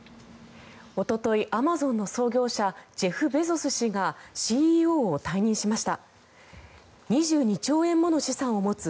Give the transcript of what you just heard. おとといアマゾンの創業者ジェフ・ベゾス氏がＣＥＯを退任しました。